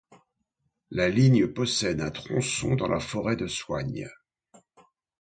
La ligne possède un tronçon dans la forêt de Soignes.